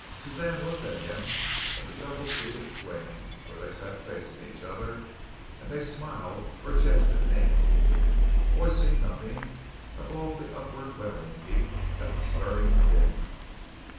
Suzanne looked at him in the double seated swing where they sat facing each other and they smiled or jested aimlessly, voicing nothing of all the upward welling deep that was stirring within.